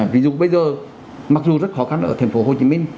ví dụ bây giờ mặc dù rất khó khăn ở thành phố hồ chí minh